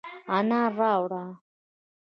انار راوړه،